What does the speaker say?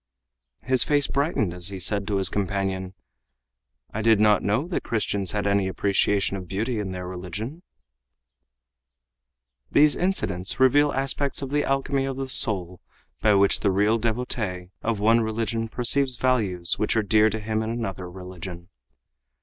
His face brightened as he said to his companion: "I did not know that Christians had any appreciation of beauty in their religion." These incidents reveal aspects of the alchemy of the soul by which the real devotee of one religion perceives values which are dear to him in another religion.